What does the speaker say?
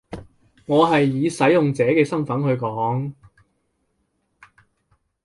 我係以使用者嘅身分去講